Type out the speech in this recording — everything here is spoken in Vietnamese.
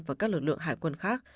và các lực lượng hải quân khác